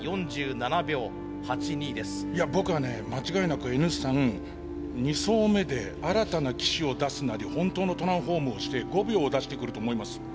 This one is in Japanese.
いや僕はね間違いなくＮ産２走目で新たな機種を出すなり本当のトランスフォームをして５秒を出してくると思います。